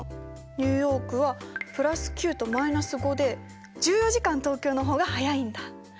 ニューヨークは＋９と−５で１４時間東京の方が早いんだ。